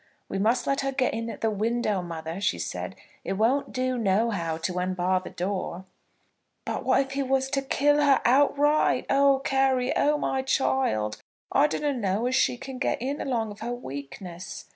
"We must let her get in at the window, mother," she said. "It won't do, nohow, to unbar the door." "But what if he was to kill her outright! Oh, Carry; oh, my child. I dunna know as she can get in along of her weakness."